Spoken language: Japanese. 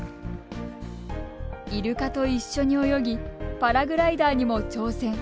イルカと一緒に泳ぎパラグライダーにも挑戦。